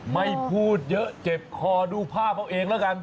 ไม่พูดเยอะเจ็บคอดูภาพเอาเองแล้วกัน